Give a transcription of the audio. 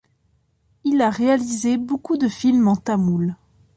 Il a réalisé beaucoup de films en tamoul.